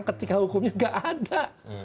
ketika hukumnya nggak ada